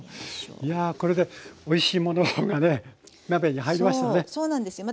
いやこれでおいしいものがね鍋に入りましたね。